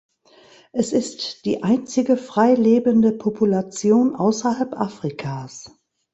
Es ist die einzige frei lebende Population außerhalb Afrikas.